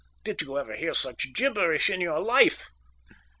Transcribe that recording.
"Did you ever hear such gibberish in your life?